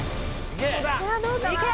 いけ！